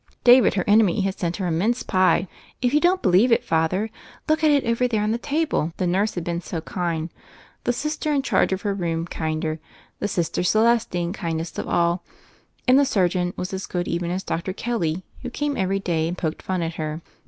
David, her enemy, had sent her a mince pie — "If you don't believe it, Father, look at it over there on the table" — the nurse had been so kind, the Sister in charge of her room kinder, and Sister Celestine kindest of all; and the surgeon was as good even as Dr. Kelly, who came every day and poked fun at her.